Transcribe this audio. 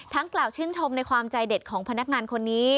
กล่าวชื่นชมในความใจเด็ดของพนักงานคนนี้